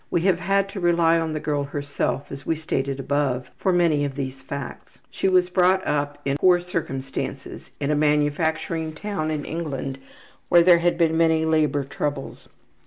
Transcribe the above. We have had to rely on the girl herself, as we stated above, for many of these facts. She was brought up in poor circumstances in a manufacturing town in England where there had been many labor troubles.